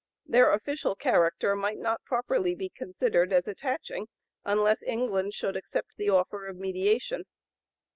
Their official character might not properly be considered as attaching unless England should accept the offer of mediation.